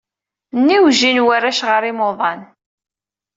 Nniwjin warrac ɣer yimuḍan.